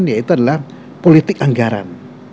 yaitu adalah politik anggaran